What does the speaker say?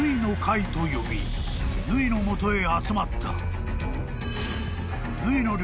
［と呼び縫の元へ集まった］